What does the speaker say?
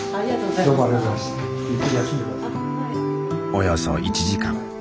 およそ１時間。